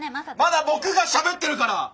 まだ僕がしゃべってるから！